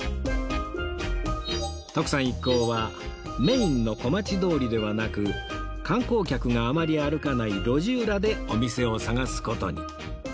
徳さん一行はメインの小町通りではなく観光客があまり歩かない路地裏でお店を探す事に